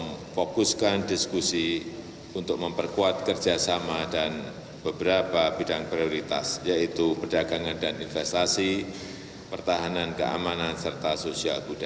memfokuskan diskusi untuk memperkuat kerjasama dan beberapa bidang prioritas yaitu perdagangan dan investasi pertahanan keamanan serta sosial budaya